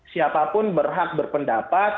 siapapun berhak berpendapat